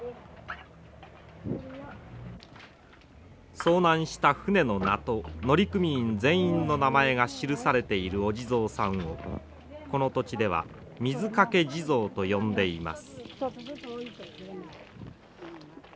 遭難した船の名と乗組員全員の名前が記されているお地蔵さんをこの土地では水掛地蔵と呼んでいます。